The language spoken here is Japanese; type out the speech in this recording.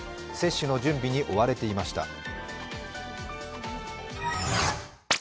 接種の準備に追われていました。